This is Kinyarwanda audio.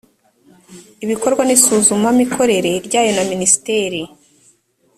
ibikorwa n isuzumamikorere ryayo na minisiteri